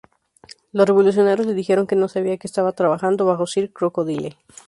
Los revolucionarios, le dijeron que no sabía que estaba trabajando bajo Sir Crocodile.